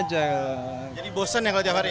jadi bosan ya kalau tiap hari ya